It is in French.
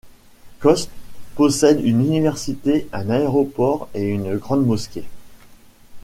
Khost possède une université, un aéroport et une grande mosquée.